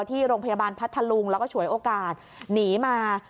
ที่โรงพยาบาลพัทธลุงแล้วก็ฉวยโอกาสหนีมา